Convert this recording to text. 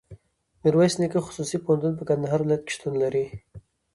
ميرویس نيکه خصوصي پوهنتون په کندهار ولایت کي شتون لري.